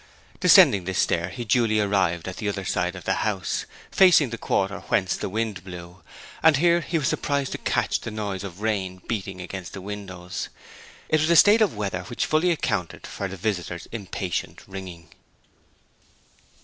Descending this stair he duly arrived at the other side of the house, facing the quarter whence the wind blew, and here he was surprised to catch the noise of rain beating against the windows. It was a state of weather which fully accounted for the visitor's impatient ringing.